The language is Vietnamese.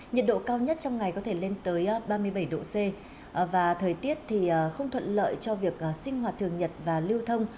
nhiệt độ cao nhất trong ngày có thể lên tới ba mươi bảy độ c và thời tiết không thuận lợi cho việc sinh hoạt thường nhật và lưu thông